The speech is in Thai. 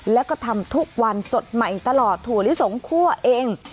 แล้วก็ทำทุกวันสดใหม่ตลอดถั่วลิสงคั่วเอง